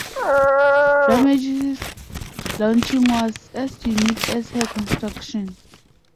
"Ramage"s launching was as unique as her construction.